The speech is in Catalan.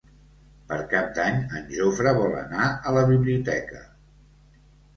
Per Cap d'Any en Jofre vol anar a la biblioteca.